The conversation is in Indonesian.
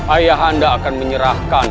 ayah anda akan menyerahkan